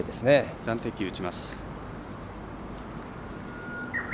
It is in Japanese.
暫定球、打ちます。